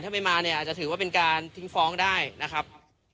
ถ้าไม่มาเนี่ยอาจจะถือว่าเป็นการทิ้งฟ้องได้นะครับ